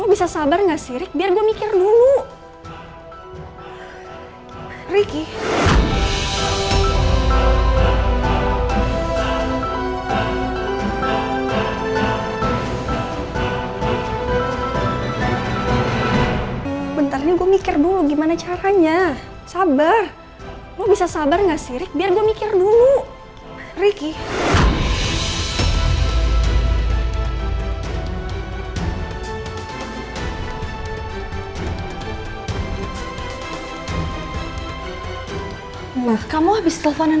ini gak seperti yang aku pikirkan